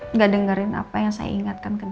enggak dengarkan apa yang saya ingatkan